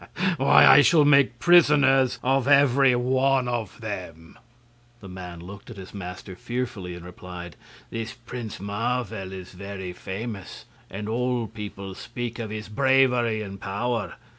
"Why, I shall make prisoners of every one of them!" The man looked at his master fearfully, and replied: "This Prince Marvel is very famous, and all people speak of his bravery and power.